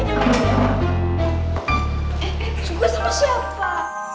eh eh cuman sama siapa